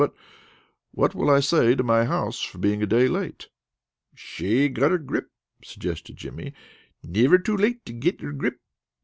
"But what will I say to my house for being a day late?" "Shay gotter grip," suggested Jimmy. "Never too late to getter grip.